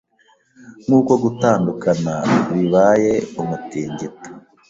Nkuko gutandukana bibayeumutingito